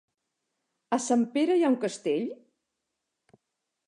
A Sempere hi ha un castell?